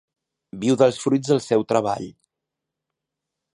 Viu dels fruits del seu treball.